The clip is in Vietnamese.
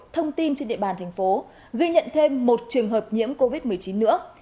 thông tin trên địa bàn thành phố ghi nhận thêm một trường hợp nhiễm covid một mươi chín nữa